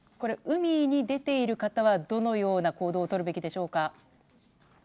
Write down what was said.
海に出ている方はどのような行動をとるべきでしょうか。